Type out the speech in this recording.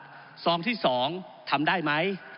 ทรที่๒ทำได้มั้ย